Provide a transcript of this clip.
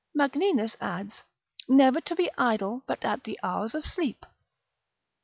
Magninus adds, Never to be idle but at the hours of sleep.